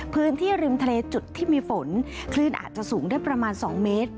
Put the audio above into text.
พื้นที่ริมทะเลจุดที่มีฝนคลื่นอาจจะสูงได้ประมาณ๒เมตร